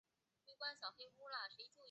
藤原丽子